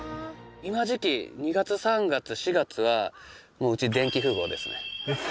今時期２月３月４月はもううち電気富豪ですね。